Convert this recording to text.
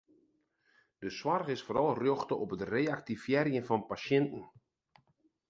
De soarch is foaral rjochte op it reaktivearjen fan pasjinten.